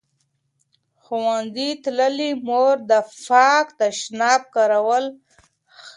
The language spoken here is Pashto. ښوونځې تللې مور د پاک تشناب کارول ښيي.